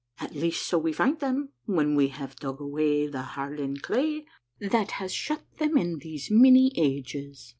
At least, so we find them when we have dug away the hai dened clay that has shut them in these many ages.